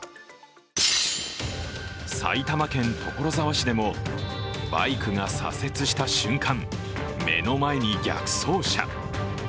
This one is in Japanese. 埼玉県所沢市でもバイクが左折した瞬間、目の前に逆走車。